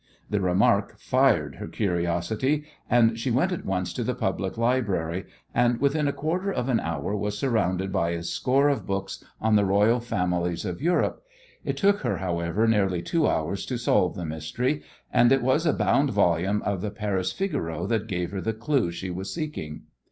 The remark fired her curiosity, and she went at once to the public library, and within a quarter of an hour was surrounded by a score of books on the royal families of Europe. It took her, however, nearly two hours to solve the mystery, and it was a bound volume of the Paris Figaro that gave her the clue she was seeking.